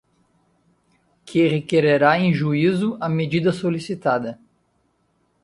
que requererá em juízo a medida solicitada.